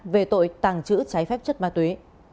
về tội tàng trữ trái phép chất ma túy